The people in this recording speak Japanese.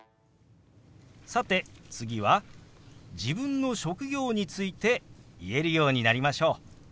さて次は自分の職業について言えるようになりましょう。